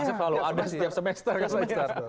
selalu ada setiap semester